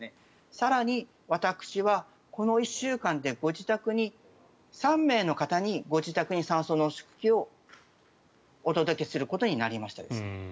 更に私はこの１週間でご自宅に３名の方にご自宅に酸素濃縮器をお届けすることになりました。